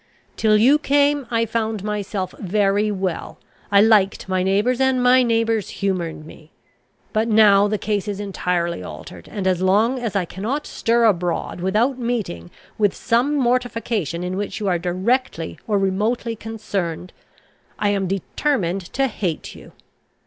Till you came, I found myself very well: I liked my neighbours, and my neighbours humoured me. But now the case is entirely altered; and, as long as I cannot stir abroad without meeting with some mortification in which you are directly or remotely concerned, I am determined to hate you.